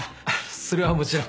それはもちろん。